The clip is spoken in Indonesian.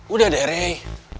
udah deh rey